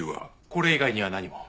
これ以外には何も。